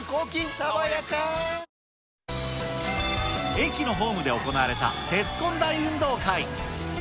駅のホームで行われた鉄コン大運動会。